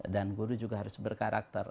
dan guru juga harus berkarakter